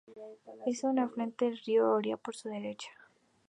Es un afluente del río Oria por su derecha.